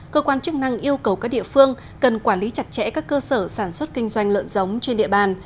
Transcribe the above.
cơ quan chức năng yêu cầu các địa phương cần quản lý chặt chẽ các cơ sở sản xuất kinh doanh lợn giống trên địa bàn